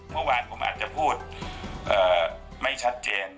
เมื่อวานผมอาจจะพูดไม่ชัดเจน